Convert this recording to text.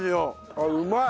あっうまい！